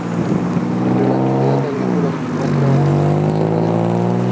Entre la actividad agrícola se encuentra un aserradero.